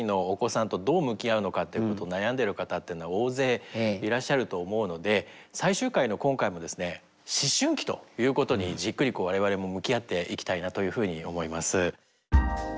やっぱりこうってことを悩んでる方っていうのは大勢いらっしゃると思うので最終回の今回もですね「思春期」ということにじっくり我々も向き合っていきたいなというふうに思います。